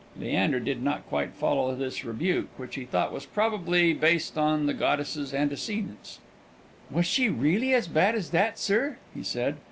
Leander did not quite follow this rebuke, which he thought was probably based upon the goddess's antecedents. "Was she reelly as bad as that, sir?" he said.